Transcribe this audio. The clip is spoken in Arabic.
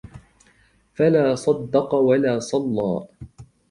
فلا صدق ولا صلى